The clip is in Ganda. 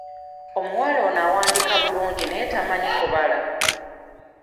Omuwala ono awandiika bulungi naye tamanyi kubala.